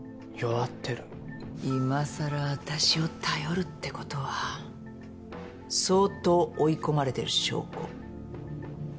今更私を頼るってことは相当追い込まれてる証拠。